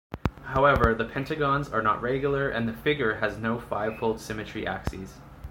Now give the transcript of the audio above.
However, the pentagons are not regular and the figure has no fivefold symmetry axes.